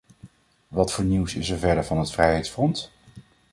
Wat voor nieuws is er verder van het vrijheidsfront?